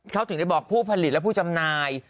เขาถึงได้บอกผู้ผลิตและผู้จำหน่าย